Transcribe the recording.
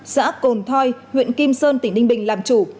xã cồn thoi huyện kim sơn tỉnh ninh bình làm chủ